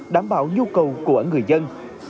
đảm bảo nhu cầu của người dân